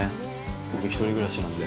僕、１人暮らしなんで。